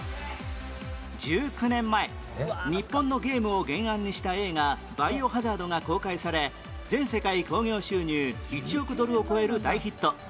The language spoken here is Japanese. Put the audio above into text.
１９年前日本のゲームを原案にした映画『バイオハザード』が公開され全世界興行収入１億ドルを超える大ヒット